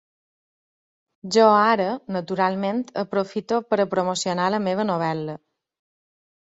Jo ara naturalment aprofito per a promocionar la meva novel·la.